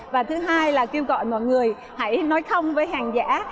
và thứ hai là kêu gọi mọi người hãy nói không với hàng giả